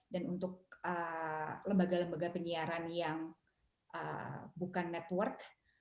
dan untuk lembaga lembaga penyiaran yang bukan network